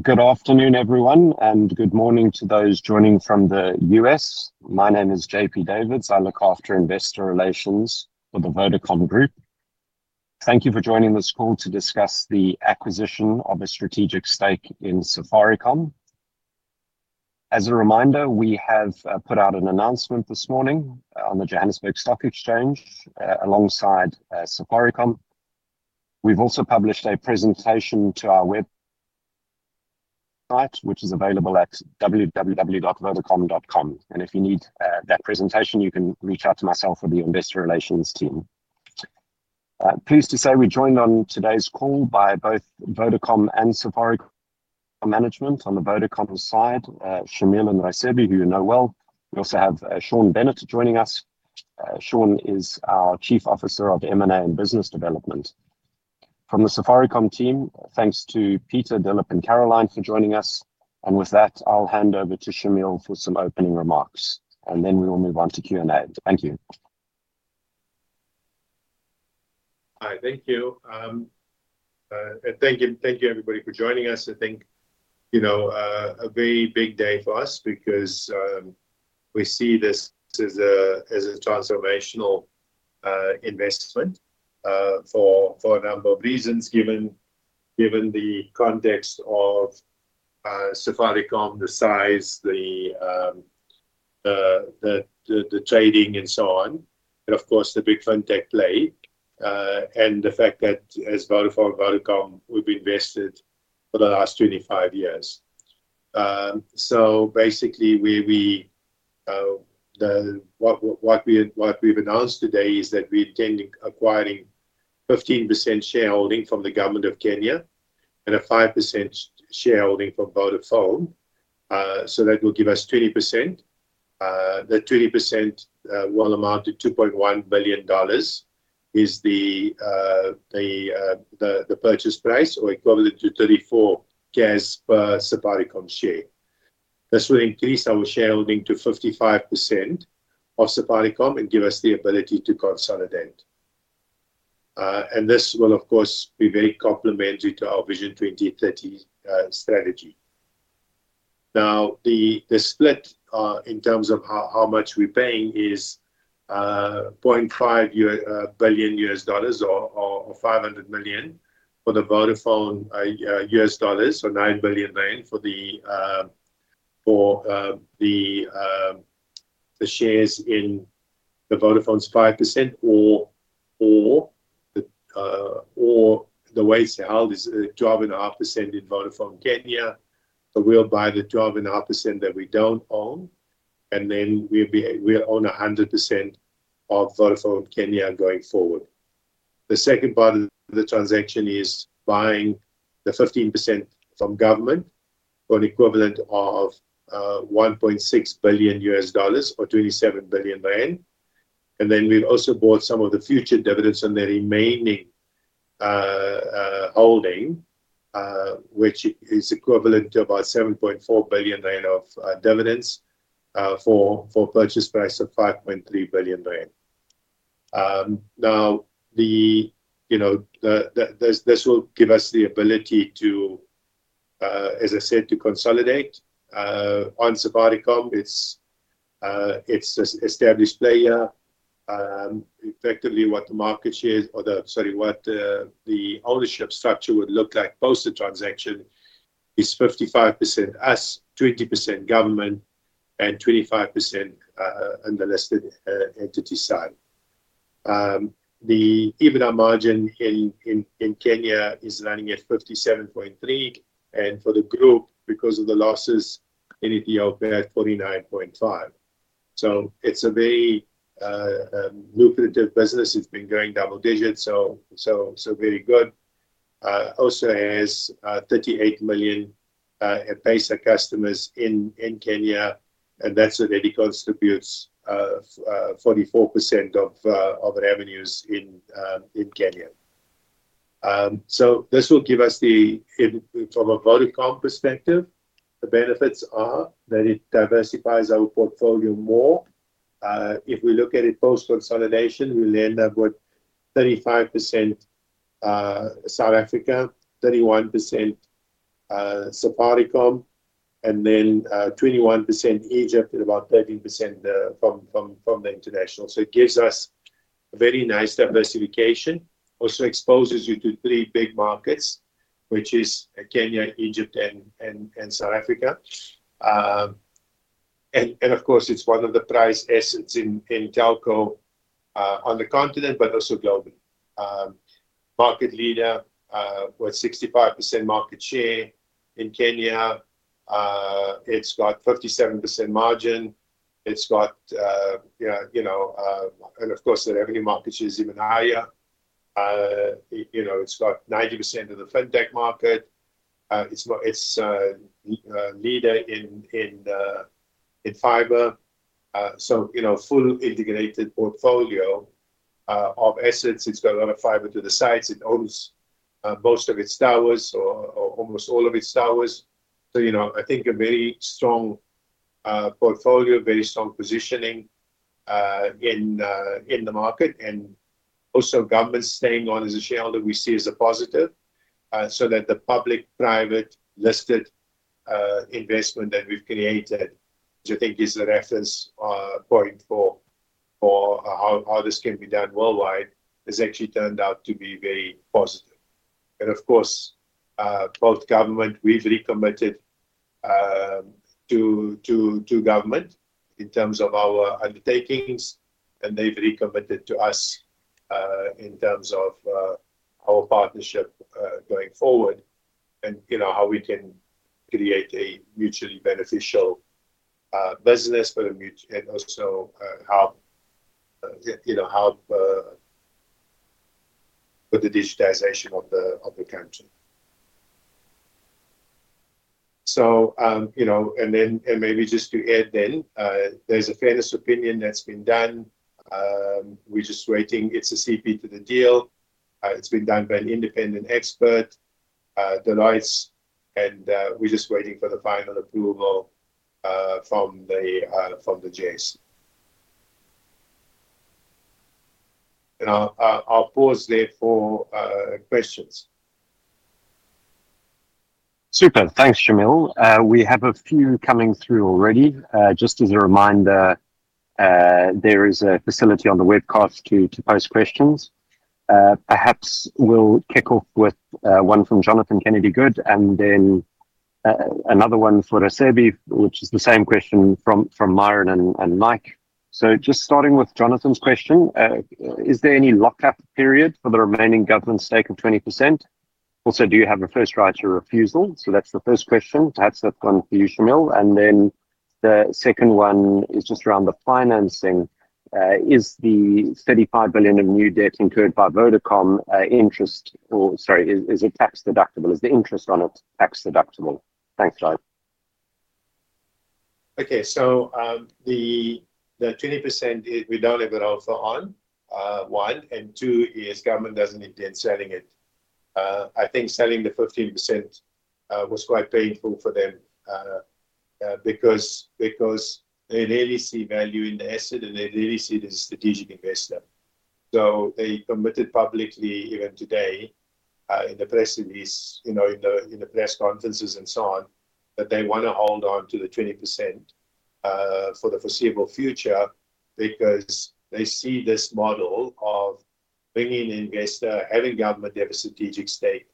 Good afternoon, everyone, and good morning to those joining from the US. My name is JP Davids. I look after investor relations for the Vodacom Group. Thank you for joining this call to discuss the acquisition of a strategic stake in Safaricom. As a reminder, we have put out an announcement this morning on the Johannesburg Stock Exchange alongside Safaricom. We've also published a presentation to our website, which is available at www.vodacom.com. If you need that presentation, you can reach out to myself or the investor relations team. Pleased to say we're joined on today's call by both Vodacom and Safaricom management. On the Vodacom side, Shameel and Raisibe, who you know well. We also have Sean Bennett joining us. Sean is our Chief Officer of M&A and Business Development. From the Safaricom team, thanks to Peter, Dilip, and Caroline for joining us. With that, I'll hand over to Shameel for some opening remarks, and then we will move on to Q&A. Thank you. Hi, thank you. Thank you, everybody, for joining us. I think, you know, a very big day for us because we see this as a transformational investment for a number of reasons, given the context of Safaricom, the size, the trading, and so on, and of course, the big fintech play, and the fact that as Vodacom, we've invested for the last 25 years. Basically, what we've announced today is that we're intending acquiring 15% shareholding from the Government of Kenya and a 5% shareholding from Vodafone so that will give us 20%. That 20% will amount to $2.1 billion, is the purchase price, or equivalent to 34 KES per Safaricom share. This will increase our shareholding to 55% of Safaricom and give us the ability to consolidate. This will, of course, be very complementary to our Vision 2030 strategy. Now, the split in terms of how much we're paying is $0.5 billion US dollars or $500 million for the Vodafone US dollars, or R9 billion for the shares in the Vodafone's 5%, or the way it's held is a 12.5% in Vodafone Kenya. We'll buy the 12.5% that we don't own and then we'll own 100% of Vodafone Kenya going forward. The second part of the transaction is buying the 15% from government for an equivalent of $1.6 billion or 27 billion Rand. We've also bought some of the future dividends from the remaining holding, which is equivalent to about R7.4 billion of dividends for a purchase price of R5.3 billion. Now, this will give us the ability to, as I said, to consolidate on Safaricom. It's an established player. Effectively, what the market shares or, sorry, what the ownership structure would look like post the transaction is 55% us, 20% government, and 25% on the listed entity side. The EBITDA margin in Kenya is running at 57.3%. For the group, because of the losses, it is now at 49.5 so it's a very lucrative business. It's been going double digits, so very good. Also has 38 million in base of customers in Kenya and that's already contributes 44% of revenues in Kenya. This will give us, from a Vodacom perspective, the benefits are that it diversifies our portfolio more. If we look at it post-consolidation, we'll end up with 35% South Africa, 31% Safaricom, and then 21% Egypt and about 13% from the international. It gives us a very nice diversification. Also exposes you to three big markets, which are Kenya, Egypt, and South Africa. Of course, it's one of the prized assets in telco on the continent, but also globally. Market leader with 65% market share in Kenya. It's got 57% margin. It's got, and of course, the revenue market share is even higher. It's got 90% of the fintech market. It's a leader in fiber. Full integrated portfolio of assets. It's got a lot of fiber to the sites. It owns most of its towers or almost all of its towers. I think a very strong portfolio, very strong positioning in the market. And also government staying on as a shareholder, we see as a positive so that the public-private listed investment that we've created, which I think is a reference point for how this can be done worldwide, has actually turned out to be very positive. Of course, both government, we've recommitted to government in terms of our undertakings, and they've recommitted to us in terms of our partnership going forward and how we can create a mutually beneficial business and also help with the digitization of the country. Then maybe just to add, there's a fairness opinion that's been done. We're just waiting. It's a CP to the deal. It's been done by an independent expert, Deloitte, and we're just waiting for the final approval from the JSE. I'll pause there for questions. Super. Thanks, Shameel. We have a few coming through already. Just as a reminder, there is a facility on the webcast to post questions. Perhaps we'll kick off with one from Jonathan Kennedy-Good and then another one for Raisibe, which is the same question from Myron and Mike. Just starting with Jonathan's question, is there any lock-up period for the remaining government stake of 20%? Also, do you have a right of first refusal? That's the first question. Perhaps that's one for you, Shameel, and then the second one is just around the financing. Is the R35 billion of new debt incurred by Vodacom interest or, sorry, is it tax deductible? Is the interest on it tax deductible? Thanks, guys. Okay. The 20%, we don't have an offer on, one. Two, the government doesn't intend selling it. I think selling the 15% was quite painful for them because they really see value in the asset, and they really see it as a strategic investor. They committed publicly, even today, in the press release, in the press conferences and so on, that they want to hold on to the 20% for the foreseeable future because they see this model of bringing an investor, having the government hold as a strategic stake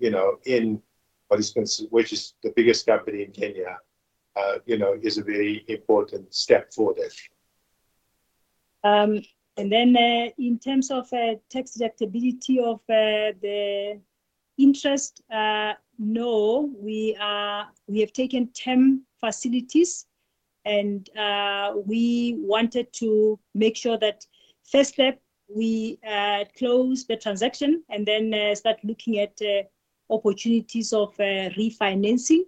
in what is, which is the biggest company in Kenya, is a very important step forward. In terms of tax deductibility of the interest, no. We have taken 10 facilities, and we wanted to make sure that first step, we close the transaction and then start looking at opportunities of refinancing.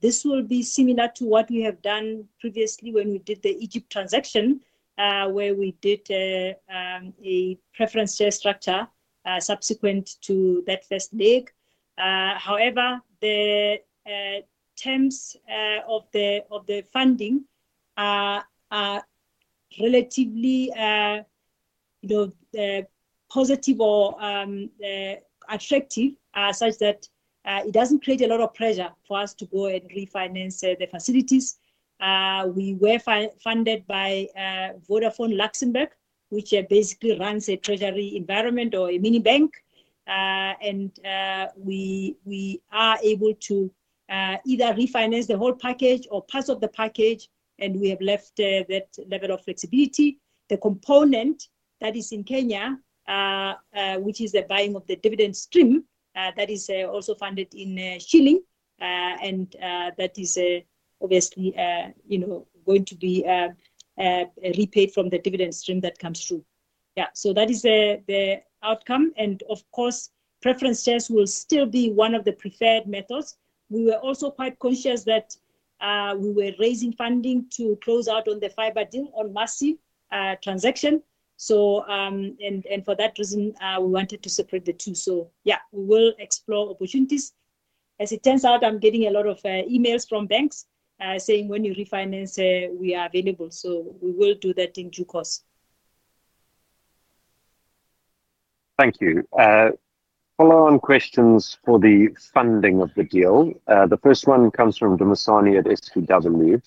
This will be similar to what we have done previously when we did the Egypt transaction, where we did a preference share structure subsequent to that first leg. However, the terms of the funding are relatively positive or attractive such that it doesn't create a lot of pressure for us to go and refinance the facilities. We were funded by Vodafone Luxembourg, which basically runs a treasury environment or a mini bank. We are able to either refinance the whole package or parts of the package, and we have left that level of flexibility. The component that is in Kenya, which is the buying of the dividend stream, that is also funded in shilling, and that is obviously going to be repaid from the dividend stream that comes through. Yeah, so that is the outcome. Of course, preference shares will still be one of the preferred methods. We were also quite conscious that we were raising funding to close out on the fiber deal on Maziv transaction. For that reason, we wanted to separate the two. Yeah, we will explore opportunities. As it turns out, I'm getting a lot of emails from banks saying, "When you refinance, we are available." We will do that in due course. Thank you. Follow-on questions for the funding of the deal. The first one comes from Dumasani at SPW.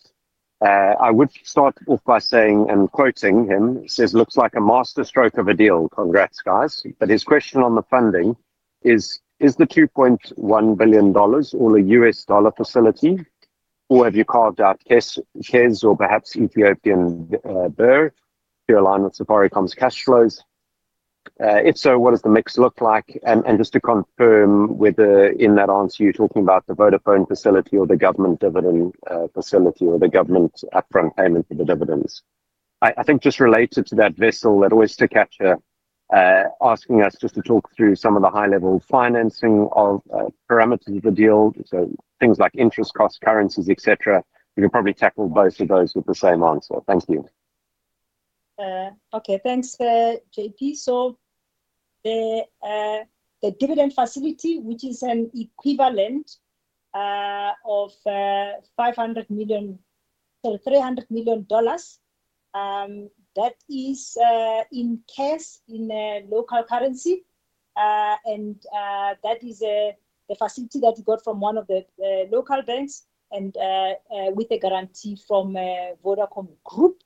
I would start off by saying and quoting him. He says, "Looks like a master stroke of a deal. Congrats, guys." His question on the funding is, is the $2.1 billion all a US dollar facility, or have you carved out KES or perhaps Ethiopian Birr to align with Safaricom's cash flows? If so, what does the mix look like? Just to confirm whether in that answer, you're talking about the Vodafone facility or the government dividend facility or the government upfront payment for the dividends. I think just related to that Wessel, that Oystercatcher asking us just to talk through some of the high-level financing parameters of the deal, so things like interest, costs, currencies, et cetera. You can probably tackle both of those with the same answer. Thank you. Okay, thanks, JP. The dividend facility, which is an equivalent of $300 million, that is in KES in local currency and that is the facility that we got from one of the local banks and with a guarantee from Vodacom Group.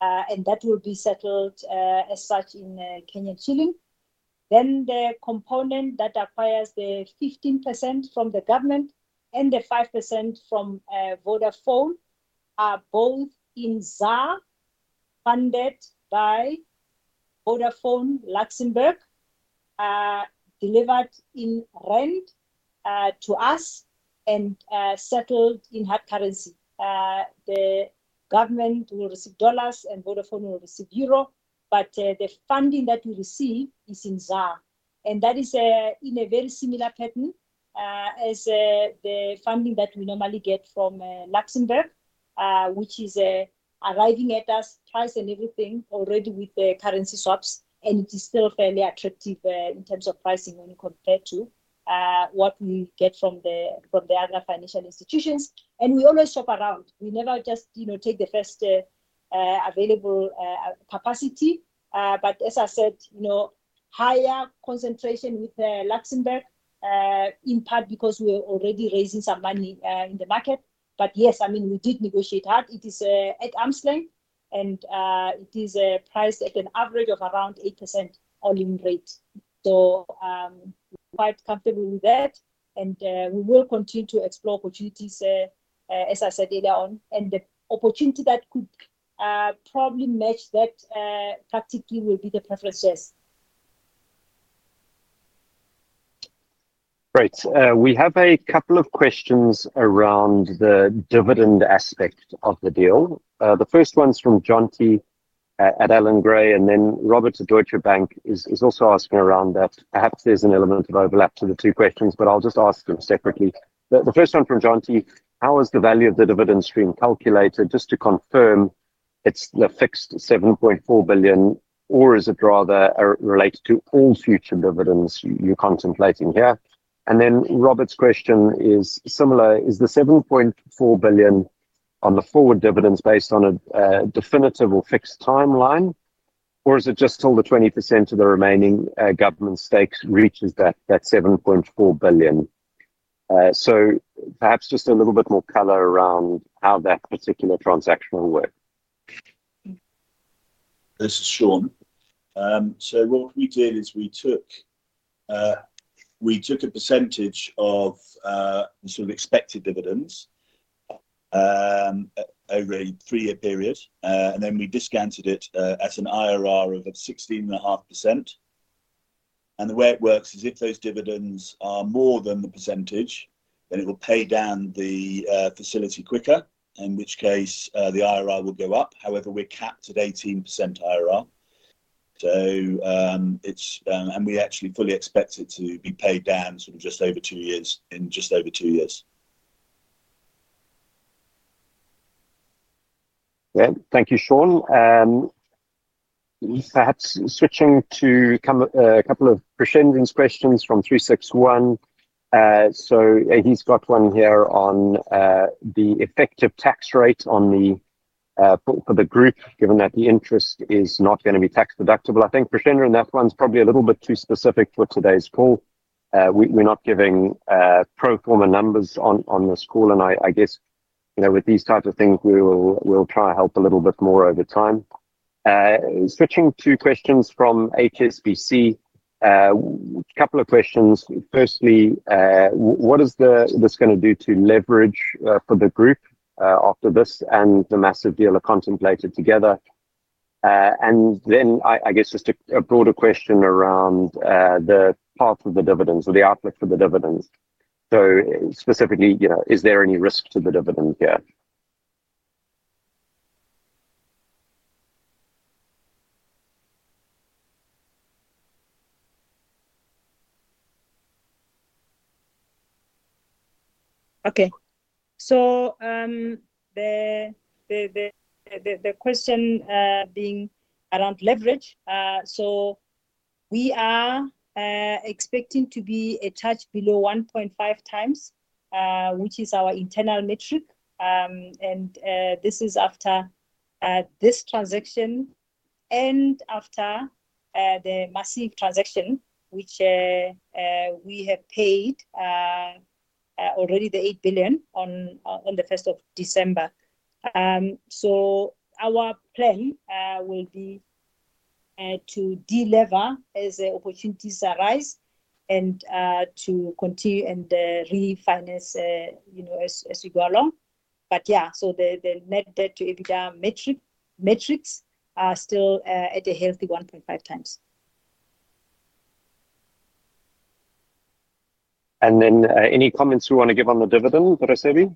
That will be settled as such in Kenyan shilling. Then the component that acquires the 15% from the government and the 5% from Vodafone are both in ZAR funded by Vodafone Luxembourg, delivered in Rand to us and settled in hard currency. The government will receive dollars and Vodafone will receive Euro, but the funding that we receive is in ZAR. And that is in a very similar pattern as the funding that we normally get from Luxembourg, which is arriving at us, Rand and everything already with the currency swaps. It is still fairly attractive in terms of pricing when compared to what we get from the other financial institutions. We always shop around. We never just take the first available capacity. As I said, higher concentration with Luxembourg, in part because we're already raising some money in the market. Yes, I mean, we did negotiate hard. It is at arm's length, and it is priced at an average of around 8% all-in rate. We're quite comfortable with that. We will continue to explore opportunities, as I said earlier on. The opportunity that could probably match that practically will be the preference shares. Great. We have a couple of questions around the dividend aspect of the deal. The first one's from Jonty at Allan Gray, and then Robert at Deutsche Bank is also asking around that. Perhaps there's an element of overlap to the two questions, but I'll just ask them separately. The first one from Jonty, how is the value of the dividend stream calculated? Just to confirm, it's the fixed R7.4 billion, or is it rather related to all future dividends you're contemplating here? Then Robert's question is similar. Is the R7.4 billion on the forward dividends based on a definitive or fixed timeline, or is it just till the 20% of the remaining government stake reaches that R7.4 billion? Perhaps just a little bit more color around how that particular transaction will work. This is Sean. What we did is we took a percentage of the sort of expected dividends over a three-year period, and then we discounted it as an IRR of 16.5%. The way it works is if those dividends are more than the percentage, then it will pay down the facility quicker, in which case the IRR will go up. However, we're capped at 18% IRR and we actually fully expect it to be paid down sort of just over two years, in just over two years. Thank you, Sean. Perhaps switching to a couple of 36ONE's questions from 36ONE. He's got one here on the effective tax rate for the group, given that the interest is not going to be tax deductible. I think, 36ONE, and that one's probably a little bit too specific for today's call. We're not giving pro forma numbers on this call. With these types of things, we'll try to help a little bit more over time. Switching to questions from HSBC, a couple of questions. Firstly, what is this going to do to leverage for the group after this and the Maziv deal contemplated together? Just a broader question around the path of the dividends or the outlook for the dividends. Specifically, is there any risk to the dividend here? Okay. The question being around leverage. We are expecting to be a touch below 1.5 times, which is our internal metric. This is after this transaction and after the Maziv transaction, which we have paid already the $8 billion on the 1st of December. Our plan will be to deliver as opportunities arise and to continue and refinance as we go along, but yeah, so the net debt to EBITDA metrics are still at a healthy 1.5 times. Any comments you want to give on the dividend, Raisibe?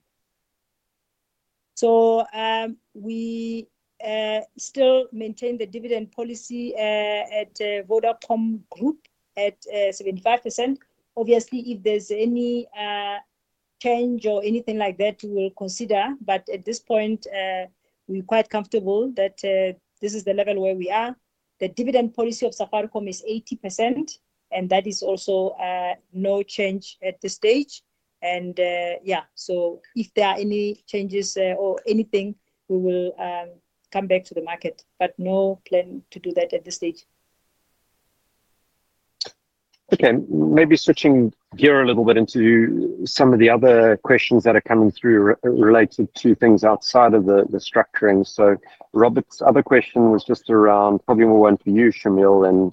We still maintain the dividend policy at Vodacom Group at 75%. Obviously, if there's any change or anything like that, we will consider. At this point, we're quite comfortable that this is the level where we are. The dividend policy of Safaricom is 80%, and that is also no change at this stage. If there are any changes or anything, we will come back to the market, but no plan to do that at this stage. Okay. Maybe switching gear a little bit into some of the other questions that are coming through related to things outside of the structuring. Robert's other question was just around probably more one for you, Shameel,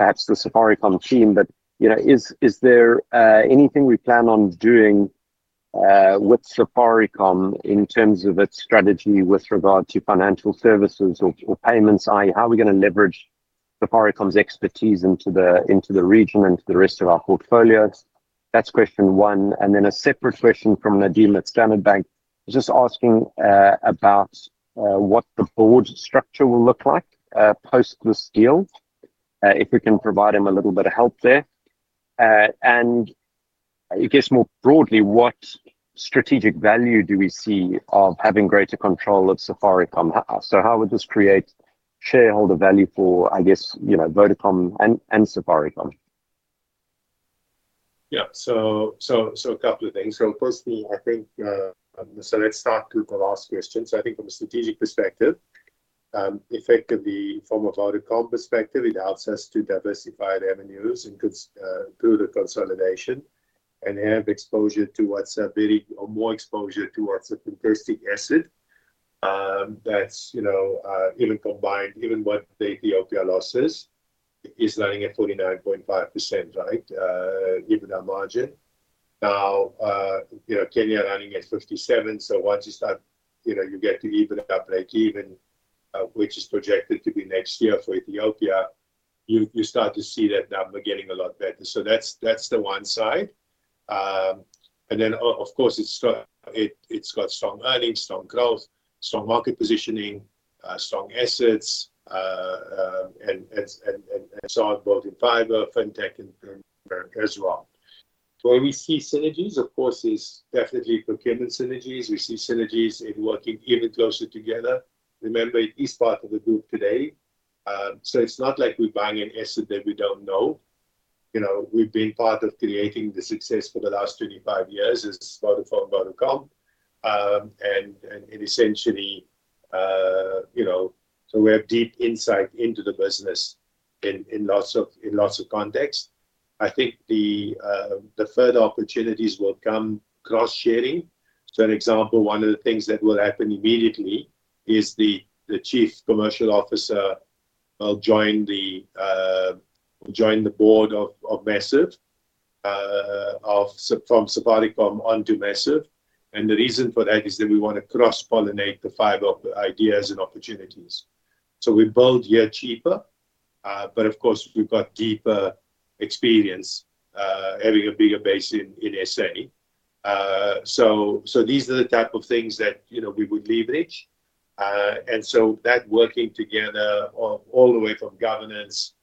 and perhaps the Safaricom team, but is there anything we plan on doing with Safaricom in terms of its strategy with regard to financial services or payments? How are we going to leverage Safaricom's expertise into the region and to the rest of our portfolios? That's question one. A separate question from Nadim at Standard Bank is just asking about what the board structure will look like post this deal, if we can provide him a little bit of help there. More broadly, what strategic value do we see of having greater control of Safaricom? How would this create shareholder value for, I guess, Vodacom and Safaricom? Yeah, so a couple of things. Firstly, I think so let's start with the last question. I think from a strategic perspective, effectively, from a Vodacom perspective, it helps us to diversify revenues through the consolidation and have exposure to what's a bit more exposure towards the connecting asset. That's even combined, what the Ethiopia ops is running at 49.5%, right, EBITDA margin. Now, Kenya is running at 57%. Once you start, you get to EBITDA break even, which is projected to be next year for Ethiopia, you start to see that number getting a lot better. That's the one side, and then, of course, it's got strong earnings, strong growth, strong market positioning, strong assets, and so on, both in fiber, fintech, and as well. Where we see synergies, of course, is definitely procurement synergies. We see synergies in working even closer together. Remember, it is part of the group today, so it's not like we're buying an asset that we don't know. We've been part of creating the success for the last 25 years as Vodacom and essentially, so we have deep insight into the business in lots of contexts. I think the further opportunities will come cross-sharing. For example, one of the things that will happen immediately is the chief commercial officer will join the board of Maziv from Safaricom onto Maziv, and the reason for that is that we want to cross-pollinate the fiber ideas and opportunities. We build here cheaper, but of course, we've got deeper experience having a bigger base in S.A. These are the type of things that we would leverage and so that working together, all the way from governance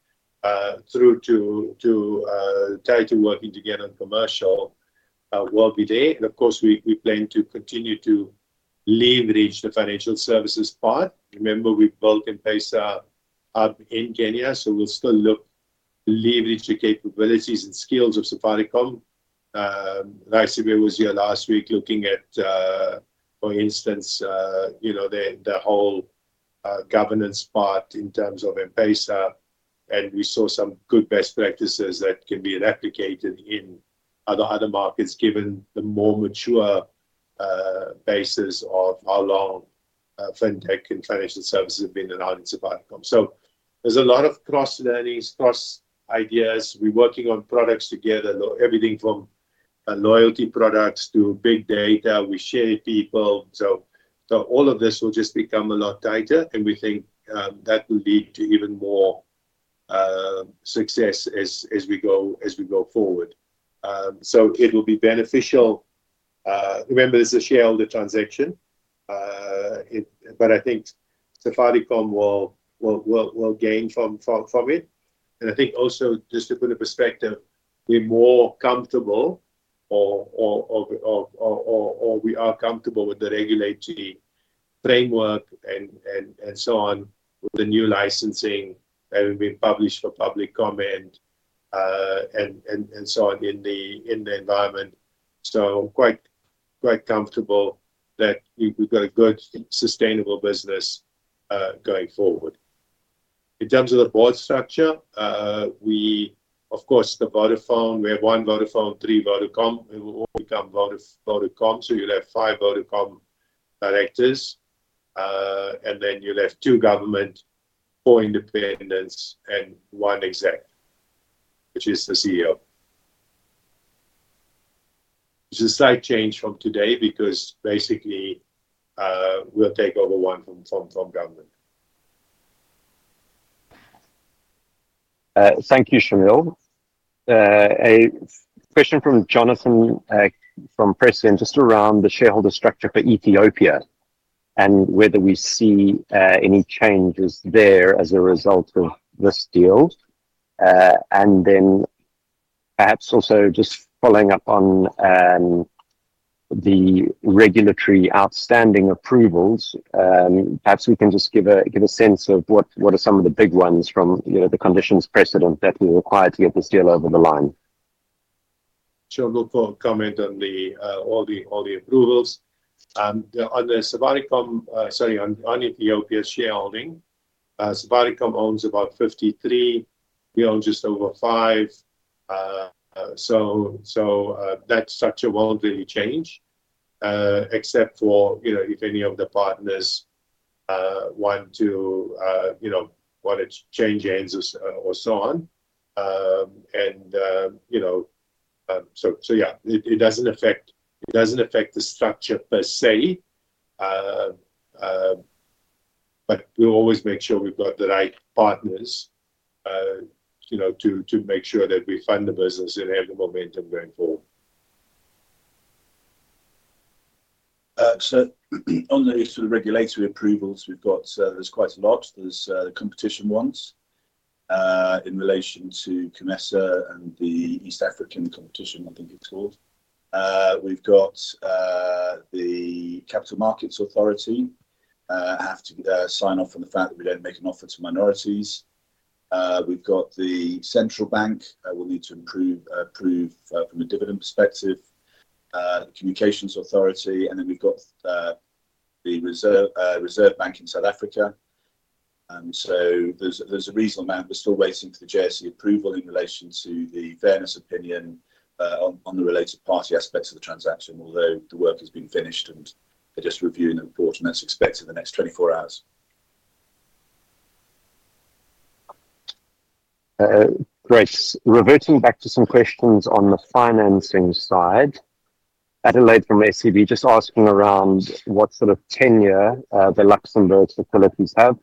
through to tighter working together in commercial will be there. and of course, we plan to continue to leverage the financial services part. Remember, we built and based up in Kenya, so we'll still look, leverage the capabilities and skills of Safaricom. Raisibe was here last week looking at, for instance, the whole governance part in terms of M-Pesa. and we saw some good best practices that can be replicated in other markets given the more mature basis of how long fintech and financial services have been around in Safaricom. There's a lot of cross-learnings, cross-ideas. We're working on products together, everything from loyalty products to big data. We share people. so all of this will just become a lot tighter, and we think that will lead to even more success as we go forward. so it will be beneficial. Remember, this is a shareholder transaction, but I think Safaricom will gain from it. I think also, just to put a perspective, we're more comfortable, or we are comfortable with the regulatory framework and so on, with the new licensing that will be published for public comment and so on in the environment. We're quite comfortable that we've got a good, sustainable business going forward. In terms of the board structure, of course, the Vodafone, we have one Vodafone, three Vodacom, it will all become Vodacom. You'll have five Vodacom directors, and then you'll have two government, four independents, and one exec, which is the CEO. It's a slight change from today because basically, we'll take over one from government. Thank you, Shameel. A question from Jonathan from Prescient just around the shareholder structure for Ethiopia and whether we see any changes there as a result of this deal. Perhaps also just following up on the regulatory outstanding approvals, perhaps we can just give a sense of what are some of the big ones from the conditions precedent that we're required to get this deal over the line. Sure. Let me comment on all the approvals. On the Safaricom, sorry, on Ethiopia's shareholding, Safaricom owns about 53. We own just over five so that structure won't really change except for if any of the partners want to, want to change hands or so on. Yeah, it doesn't affect the structure per se, but we'll always make sure we've got the right partners to make sure that we fund the business and have the momentum going forward. On the regulatory approvals, we've got. There's quite a lot. There's the competition ones in relation to COMESA and the East African Competition, I think it's called. We've got the Capital Markets Authority have to sign off on the fact that we don't make an offer to minorities. We've got the Central Bank will need to approve from a dividend perspective, the Communications Authority and then we've got the Reserve Bank in South Africa. There's a reasonable amount. We're still waiting for the JSE approval in relation to the fairness opinion on the related party aspects of the transaction, although the work has been finished and they're just reviewing the report, and that's expected in the next 24 hours. Great. Reverting back to some questions on the financing side, Adelaide from Absa just asking around what sort of tenure the Luxembourg facilities have.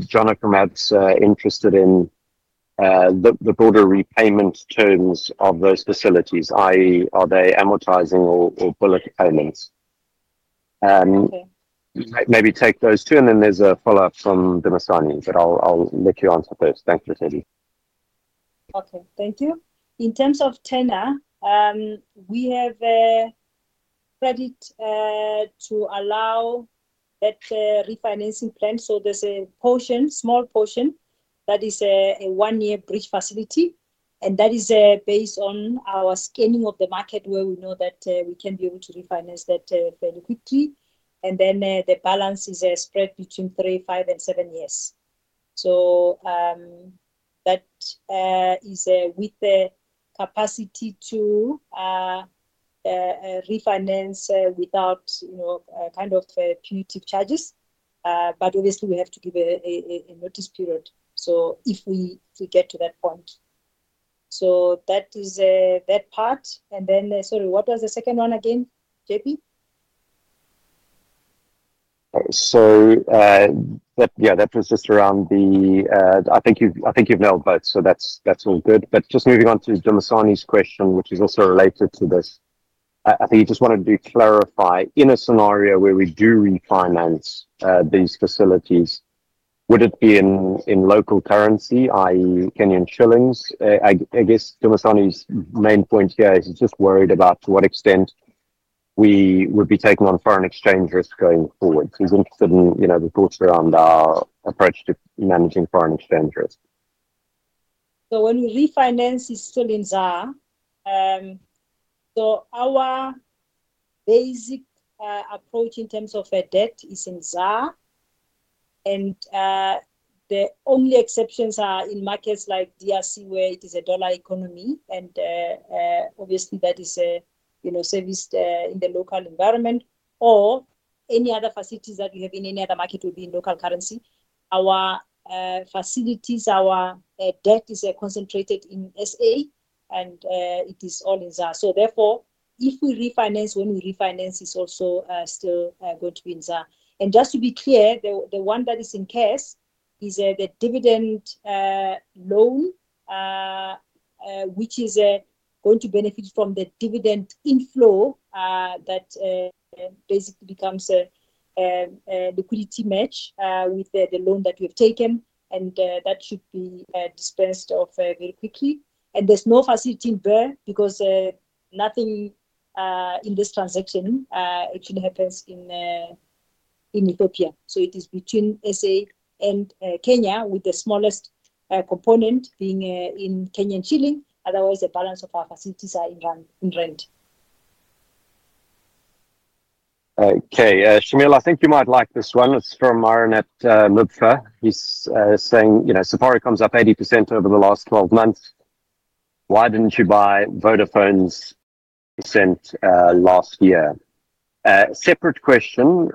Jonathan, that's interested in the broader repayment terms of those facilities, i.e., are they amortizing or bullet payments? Maybe take those two, and then there's a follow-up from Dumasani, but I'll let you answer first. Thank you, Raisibe. Okay. Thank you. In terms of tenure, we have a credit facility to allow that refinancing plan, so there's a portion, small portion, that is a one-year bridge facility. That is based on our scanning of the market where we know that we can be able to refinance that fairly quickly, and then the balance is spread between three, five, and seven years, so that is with the capacity to refinance without kind of punitive charges. Obviously, we have to give a notice period, so if we get to that point. That is that part, and then, sorry, what was the second one again, JP? Yeah, that was just around the. I think you've nailed both, so that's all good but just moving on to Dumasani's question, which is also related to this. I think he just wanted to clarify, in a scenario where we do refinance these facilities, would it be in local currency, i.e., Kenyan shillings? Dumasani's main point here is he's just worried about to what extent we would be taking on foreign exchange risk going forward. He's interested in reports around our approach to managing foreign exchange risk. When we refinance, it's still in ZAR. Our basic approach in terms of debt is in ZAR. The only exceptions are in markets like D.R.C., where it is a dollar economy. Obviously, that is serviced in the local environment. Any other facilities that we have in any other market will be in local currency. Our facilities, our debt is concentrated in S.A., and it is all in ZAR. Therefore, if we refinance, when we refinance, it's also still going to be in ZAR. Just to be clear, the one that is in cash is the dividend loan, which is going to benefit from the dividend inflow that basically becomes a liquidity match with the loan that we have taken, and that should be dispensed off very quickly. There's no facility in Birr because nothing in this transaction actually happens in Ethiopia. It is between S.A. and Kenya, with the smallest component being in Kenyan shilling. Otherwise, the balance of our facilities are in Rand. Okay. Shameel, I think you might like this one. It's from Mariette Blade. He's saying, "Safaricom's up 80% over the last 12 months. Why didn't you buy Vodafone's 80% last year?" Separate question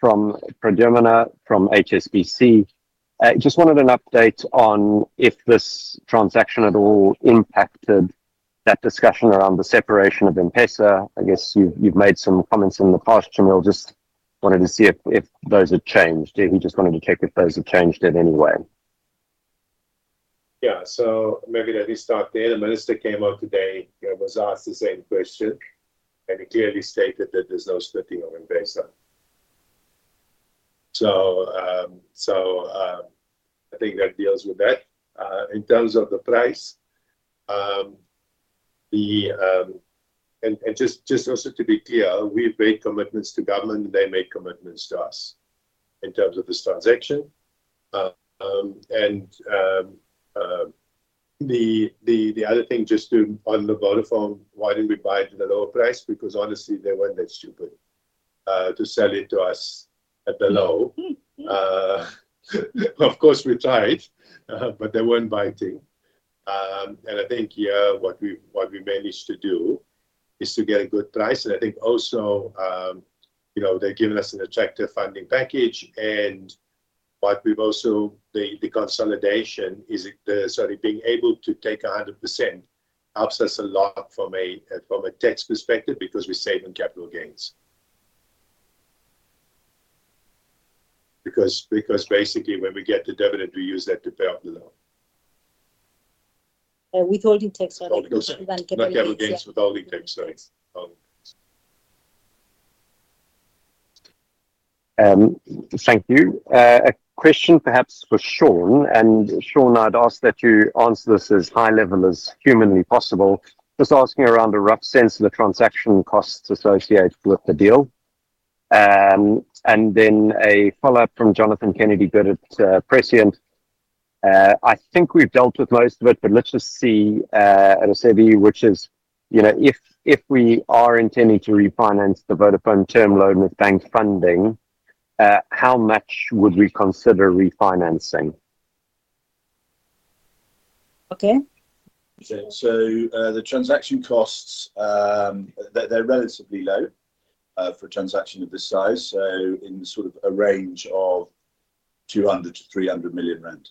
from Pradyumna from HSBC. Just wanted an update on if this transaction at all impacted that discussion around the separation of M-Pesa. You've made some comments in the past, Shameel. Just wanted to see if those had changed. He just wanted to check if those have changed in any way. Yeah. Maybe let me start there. The minister came out today, was asked the same question, and he clearly stated that there's no splitting of M-Pesa. I think that deals with that. In terms of the price, and just also to be clear, we've made commitments to government, and they made commitments to us in terms of this transaction. The other thing, just on the Vodafone, why didn't we buy it at a lower price? Because honestly, they weren't that stupid to sell it to us at the low. Of course, we tried, but they weren't biting. I think, yeah, what we managed to do is to get a good price and I think also, they've given us an attractive funding package. What we've also, the consolidation is, sorry, being able to take 100% helps us a lot from a tax perspective because we save on capital gains. Because basically, when we get the dividend, we use that to pay off the loan. Withholding tax. Capital gains withholding tax, sorry. Thank you. A question perhaps for Sean. Sean, I'd ask that you answer this as high level as humanly possible. Just asking around a rough sense of the transaction costs associated with the deal. A follow-up from Jonathan Kennedy-Good at Prescient. I think we've dealt with most of it, but let's just see, Raisibe, which is if we are intending to refinance the Vodafone term loan with bank funding, how much would we consider refinancing? Okay. The transaction costs, they're relatively low for a transaction of this size. In sort of a range of 200 million to 300 million rand.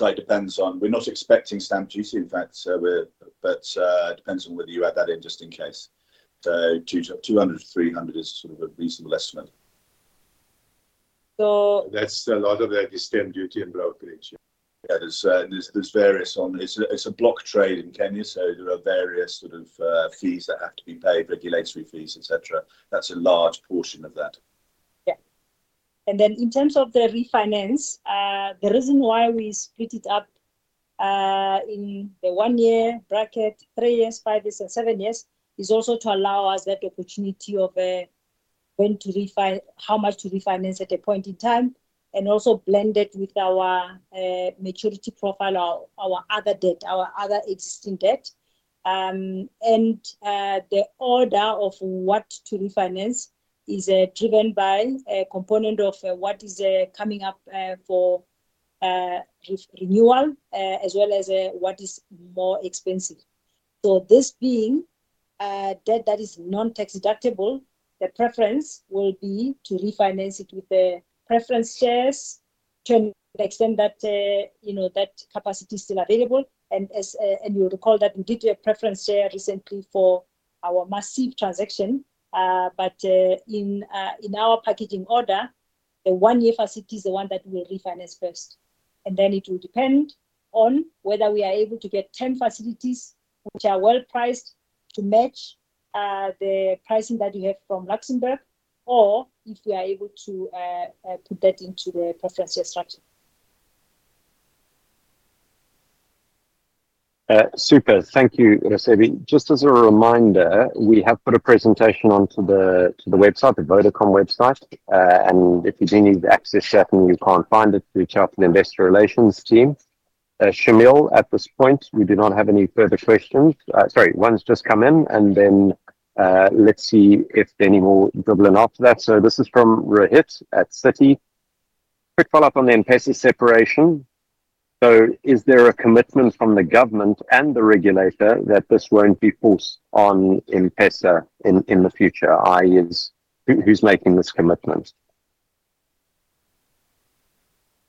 It depends on. We're not expecting stamp duty. In fact, it depends on whether you add that in just in case. 200 million to 300 million is sort of a reasonable estimate. So. That's a lot. That is stamp duty and brokerage. Yeah, there's various, and it's a block trade in Kenya, so there are various sort of fees that have to be paid, regulatory fees, etc. That's a large portion of that. Yeah. In terms of the refinance, the reason why we split it up in the one-year bracket, three years, five years, and seven years is also to allow us that opportunity of when to refinance, how much to refinance at a point in time, and also blend it with our maturity profile, our other debt, our other existing debt. The order of what to refinance is driven by a component of what is coming up for renewal, as well as what is more expensive. This being debt that is non-tax deductible, the preference will be to refinance it with the preference shares to the extent that that capacity is still available. You'll recall that we did a preference share recently for our Maziv transaction, but in our packaging order, the one-year facility is the one that we'll refinance first. It will depend on whether we are able to get 10 facilities, which are well priced, to match the pricing that we have from Luxembourg, or if we are able to put that into the preference share structure. Super. Thank you, Raisibe. Just as a reminder, we have put a presentation onto the website, the Vodacom website. If you do need access to that and you can't find it, reach out to the investor relations team. Shameel, at this point, we do not have any further questions. Sorry, one's just come in. Then let's see if there are any more coming after that. This is from Rohit at Citi. Quick follow-up on the M-Pesa separation. Is there a commitment from the government and the regulator that this won't be forced on M-Pesa in the future or is it, who's making this commitment?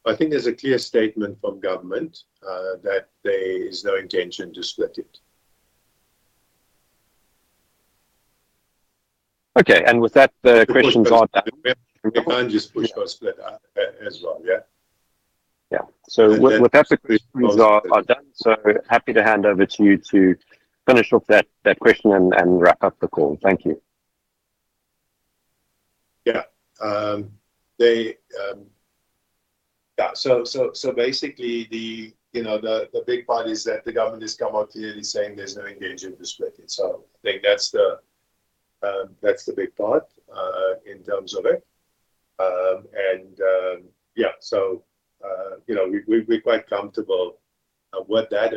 I think there's a clear statement from government that there is no intention to split it. Okay, and with that, the questions are done. We can just push for a split as well, yeah? With that, the questions are done. Happy to hand over to you to finish off that question and wrap up the call. Thank you. Yeah. Basically, the big part is that the government has come out clearly saying there's no engagement to split it. I think that's the big part in terms of it and so we're quite comfortable with that.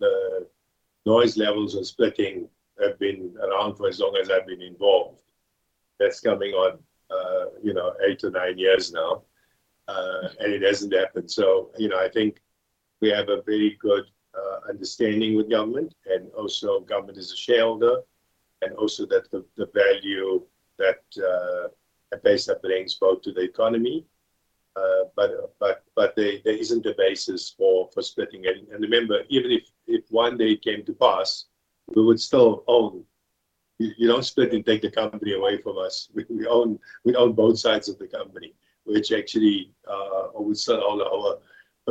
The noise levels of splitting have been around for as long as I've been involved. That's coming on eight or nine years now, and it hasn't happened. I think we have a very good understanding with government, and also government is a shareholder, and also that the value that M-Pesa brings both to the economy, but there isn't a basis for splitting it. Remember, even if one day came to pass, we would still own. You don't split and take the company away from us. We own both sides of the company, which actually we still own our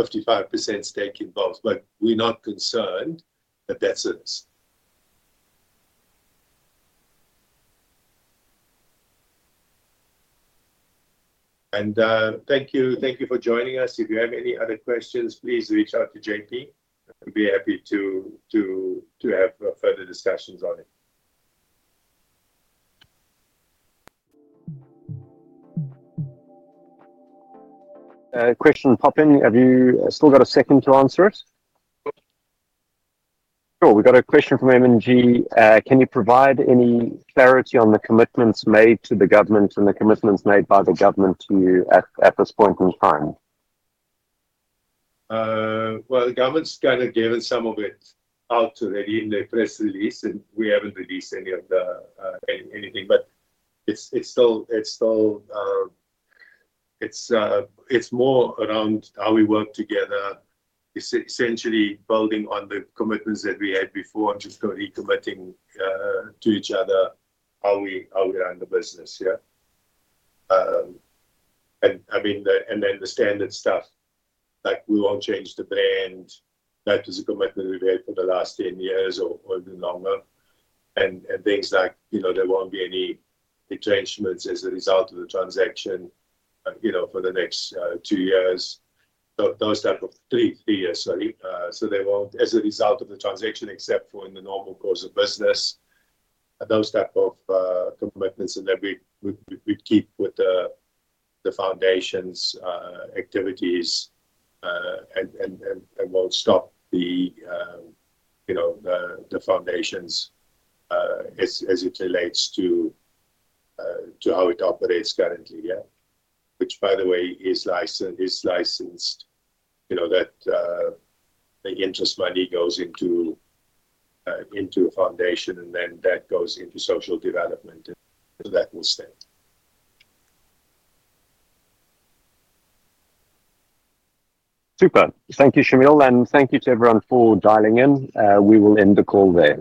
55% stake in both, but we're not concerned that that's us, and thank you for joining us. If you have any other questions, please reach out to JP. I'd be happy to have further discussions on it. Question popping. Have you still got a second to answer it? Sure. Sure. We've got a question from M&G. Can you provide any clarity on the commitments made to the government and the commitments made by the government to you at this point in time? The government's kind of given some of it out already in the press release, and we haven't released any of the anything. It's still, it's more around how we work together, essentially building on the commitments that we had before, just recommitting to each other how we run the business, yeah? The standard stuff, like we won't change the brand. That was a commitment we've had for the last 10 years or even longer. Things like there won't be any retrenchments as a result of the transaction for the next two years. Those type of three years, sorry. They won't as a result of the transaction, except for in the normal course of business. Those type of commitments that we keep with the Foundation's activities and won't stop the Foundation as it relates to how it operates currently, yeah? Which, by the way, is licensed. The interest money goes into a foundation, and then that goes into social development so that will stay. Super. Thank you, Shameel, and thank you to everyone for dialing in. We will end the call there.